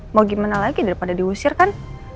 mau gimana lagi daripada diusir kan